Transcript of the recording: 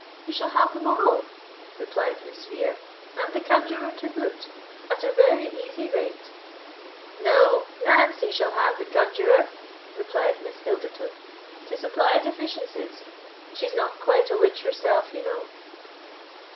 "You shall have them all," replied Miss Vere, "and the conjuror to boot, at a very easy rate." "No! Nancy shall have the conjuror," said Miss Ilderton, "to supply deficiencies; she's not quite a witch herself, you know."